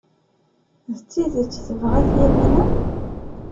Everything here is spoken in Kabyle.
D tidet tebɣa-t Yamina?